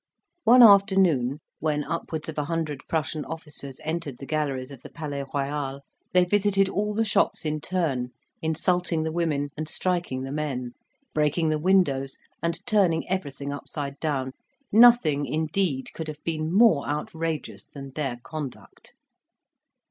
One afternoon, when upwards of a hundred Prussian officers entered the galleries of the Palais Royal, they visited all the shops in turn, insulting the women and striking the men, breaking the windows and turning everything upside down: nothing, indeed, could have been more outrageous than their conduct.